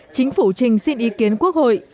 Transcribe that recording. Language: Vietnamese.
chính phủ trình xin ý kiến quốc hội